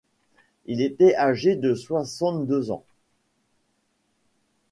Il était âgé de soixante-deux ans.